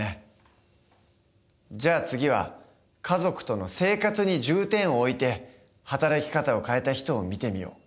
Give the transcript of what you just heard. じゃあ次は家族との生活に重点を置いて働き方を変えた人を見てみよう。